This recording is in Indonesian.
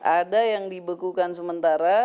ada yang dibekukan sementara